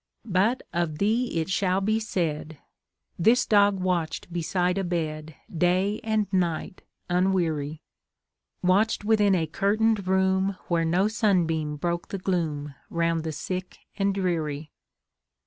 But of thee it shall be said, 'This dog watched beside a bed Day and night unweary, Watched within a curtained room Where no sunbeam broke the gloom Round the sick and dreary.